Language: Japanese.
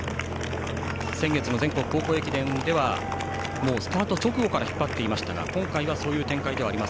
先月の全国高校駅伝ではスタート直後から引っ張ってきましたが今回はそういう展開ではない。